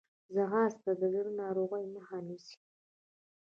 ځغاسته د زړه ناروغۍ مخه نیسي